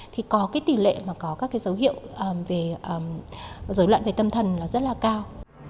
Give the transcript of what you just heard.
thì có cái tỷ lệ mà có các cái dấu hiệu về dối loạn về tâm thần là rất là cao